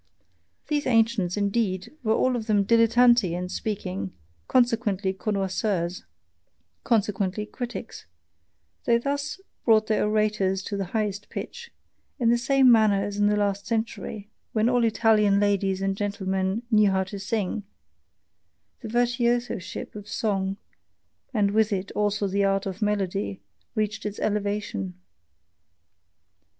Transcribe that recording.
Those ancients, indeed, were all of them dilettanti in speaking, consequently connoisseurs, consequently critics they thus brought their orators to the highest pitch; in the same manner as in the last century, when all Italian ladies and gentlemen knew how to sing, the virtuosoship of song (and with it also the art of melody) reached its elevation.